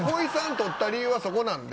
取った理由はそこなんで。